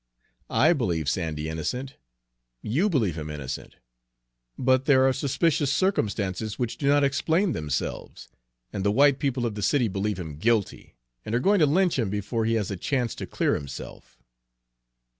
I believe Sandy innocent; you believe him innocent; but there are suspicious circumstances which do not explain themselves, and the white people of the city believe him guilty, and are going to lynch him before he has a chance to clear himself."